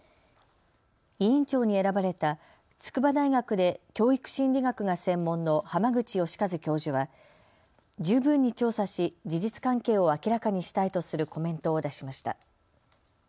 委員長に選ばれた筑波大学で教育心理学が専門の濱口佳和教授は十分に調査し事実関係を明らかにしたいとするコメントを出しました。